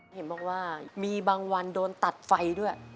เห็นบอกว่ามีบางวันโดนตัดไฟด้วย